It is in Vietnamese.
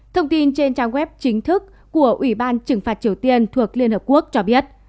thông tin trên trang web chính thức của ủy ban trừng phạt triều tiên thuộc liên hợp quốc cho biết